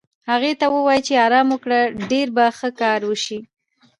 هغې ته ووایې چې ارام وکړه، ډېر به ښه کار وشي.